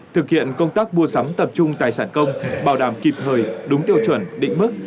thực hiện công tác mua sắm tập trung tài sản công bảo đảm kịp thời đúng tiêu chuẩn định mức